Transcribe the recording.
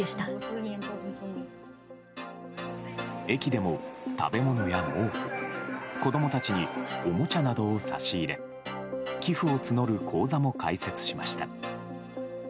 駅でも、食べ物や毛布子供たちにおもちゃなどを差し入れ寄付を募る口座も開設しました。